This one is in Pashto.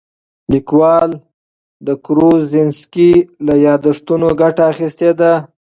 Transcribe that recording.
لیکوال د کروزینسکي له یادښتونو ګټه اخیستې ده.